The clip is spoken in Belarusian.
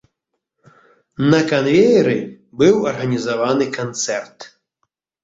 На канвееры быў арганізаваны канцэрт.